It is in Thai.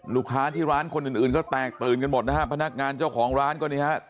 ลูกค้าที่ร้านคนอื่นอื่นก็แตกตื่นกันหมดนะฮะพนักงานเจ้าของร้านก็นี่ฮะ